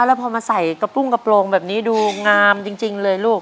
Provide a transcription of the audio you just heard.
แล้วพอมาใส่กระปุ้งกระโปรงแบบนี้ดูงามจริงเลยลูก